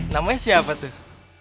namanya siapa tuh